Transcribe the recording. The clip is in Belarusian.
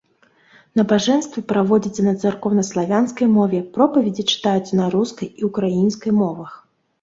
Набажэнствы праводзяцца на царкоўнаславянскай мове, пропаведзі чытаюцца на рускай і ўкраінскай мовах.